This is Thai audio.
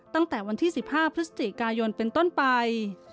ตั้งแต่วันที่๑๕พฤศจิกายนเป็นต้นไป